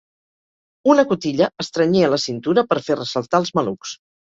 Una cotilla estrenyia la cintura per fer ressaltar els malucs.